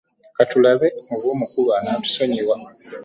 Ka tulabe oba omukulu anaatusonyiwa.